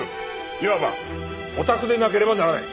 いわばオタクでなければならない。